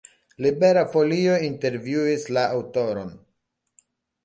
Libera Folio intervjuis la aŭtoron.